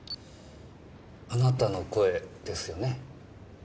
あなたの声ですよね？